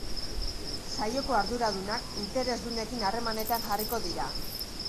Saioko arduradunak interesdunekin harremanetan jarriko dira.